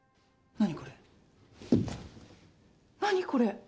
何これ！？